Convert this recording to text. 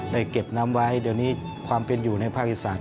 เก็บน้ำไว้เดี๋ยวนี้ความเป็นอยู่ในภาคอีสาน